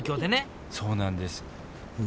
そうなんです。